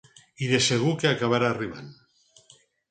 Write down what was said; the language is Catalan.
I de segur que acabarà arribant.